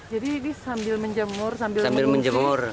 jadi ini sambil menjemur sambil mengungsi